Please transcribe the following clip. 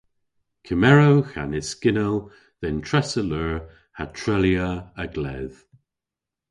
Kemerewgh an yskynnell dhe'n tressa leur ha treylya a-gledh.